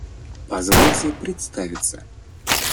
Позвольте представиться!